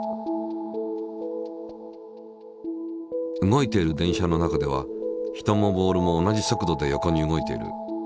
動いている電車の中では人もボールも同じ速度で横に動いている。